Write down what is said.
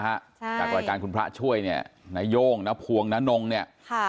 ใช่จากรายการคุณพระช่วยเนี่ยนาย่งนพวงนงเนี่ยค่ะ